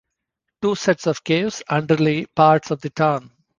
Two sets of caves underlie parts of the town.